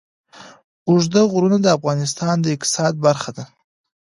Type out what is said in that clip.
اوږده غرونه د افغانستان د اقتصاد برخه ده.